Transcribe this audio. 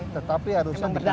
tetapi harusnya diendalikan